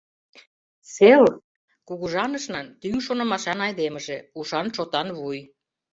— Селл — кугыжанышнан тӱҥ шонымашан айдемыже, ушан-шотан вуй.